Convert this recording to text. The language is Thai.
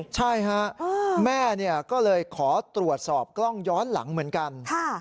ใช่ฮะแม่ก็เลยขอตรวจสอบกล้องย้อนหลังเหมือนกัน